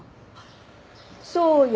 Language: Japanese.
そうよ！